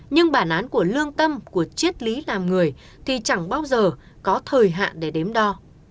nhưng bản án của lương tâm của chiết lý làm người thì chẳng bao giờ có thời hạn để đếm đo